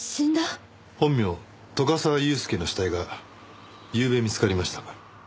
本名斗ヶ沢雄輔の死体がゆうべ見つかりました。